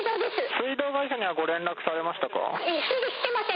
水道会社にはご連絡されまししてません。